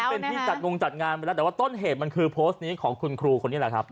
เป็นที่จัดงงจัดงานไปแล้วแต่ว่าต้นเหตุมันคือโพสต์นี้ของคุณครูคนนี้แหละครับ